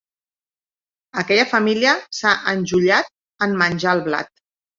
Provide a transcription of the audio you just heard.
Aquella família s'ha enjullat en menjar el blat.